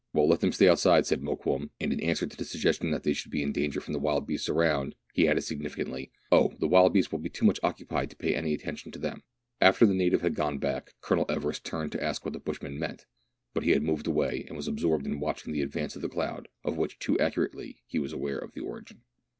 " Well, let them stay outside," said Mokoum ; and in answer to the suggestion that there would be danger from the wild beasts around, he added significantly, " Oh, the wild beasts will be too much occupied to pay any attention to them." After the native had gone back. Colonel Everest turned to ask what the bushman meant ; but he had moved away, and was absorbed in watching the advance of the cloud, of which, too accurately, he was aware of the origin.